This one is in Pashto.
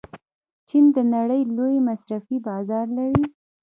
چین د نړۍ لوی مصرفي بازار لري.